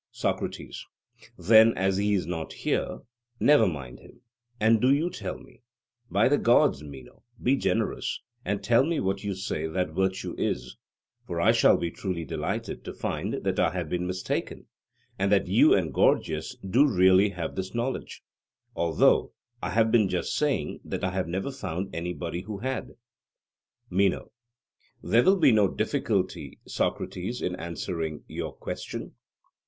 SOCRATES: Then as he is not here, never mind him, and do you tell me: By the gods, Meno, be generous, and tell me what you say that virtue is; for I shall be truly delighted to find that I have been mistaken, and that you and Gorgias do really have this knowledge; although I have been just saying that I have never found anybody who had. MENO: There will be no difficulty, Socrates, in answering your question.